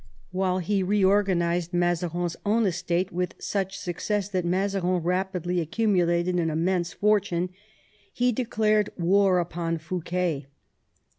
While he reorganised Mazarin's own estate with such success that Mazarin rapidly accumulated an immense fortune, he declared war upon Fouquet.